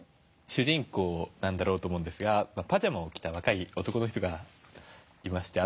主人公なんだろうと思うんですがパジャマを着た若い男の人がいまして頭を抱えていると。